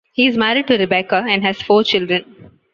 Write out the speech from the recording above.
He is married to Rebecca and has four children.